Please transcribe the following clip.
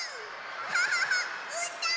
ハハハうーたん